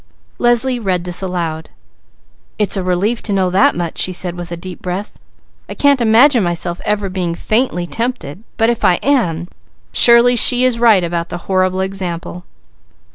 Leslie read this aloud. "It's a relief to know that much," she said with a deep breath. "I can't imagine myself ever being 'faintly tempted," but if I am, surely she is right about the 'horrible example.'